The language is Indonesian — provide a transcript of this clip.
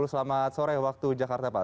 selamat sore waktu jakarta pak